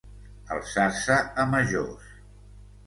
Alçar-se a majors.